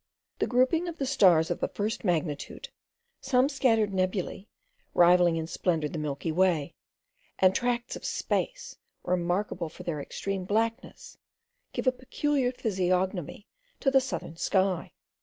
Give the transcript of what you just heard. The grouping of the stars of the first magnitude, some scattered nebulae, rivalling in splendour the milky way, and tracts of space remarkable for their extreme blackness, give a peculiar physiognomy to the southern sky.